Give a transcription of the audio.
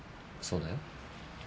そうだよ。